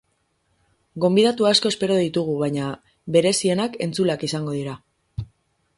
Gonbidatu asko espero ditugu, baina berezienak entzuleak izango dira.